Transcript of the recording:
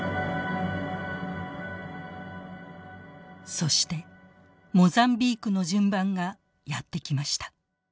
そしてモザンビークの順番がやって来ました。